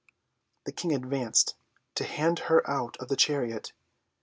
The King advanced, to hand her out of the chariot.